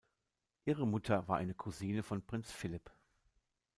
Ihre Mutter war eine Cousine von Prinz Philip.